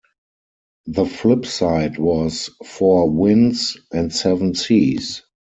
The flip side was Four Winds and Seven Seas.